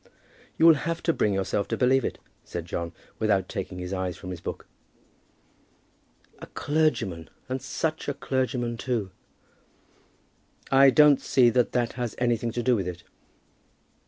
"You'll have to bring yourself to believe it," said John, without taking his eyes from his book. "A clergyman, and such a clergyman too!" "I don't see that that has anything to do with it."